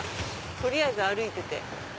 取りあえず歩いてて。